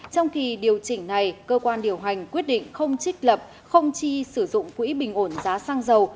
trong kỳ điều chỉnh này cơ quan điều hành quyết định không trích lập không chi sử dụng quỹ bình ổn giá xăng dầu